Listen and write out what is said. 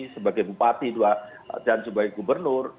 sebagai bupati dan sebagai gubernur